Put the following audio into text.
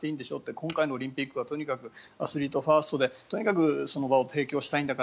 今回のオリンピックはアスリートファーストでととにかくその場を提供したいと。